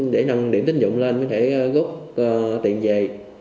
để nâng điểm tích dụng lên mới thể góp tiền về